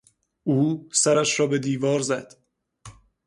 او سرش را به دیوار زد.